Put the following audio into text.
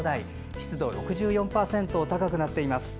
湿度６４％と高くなっています。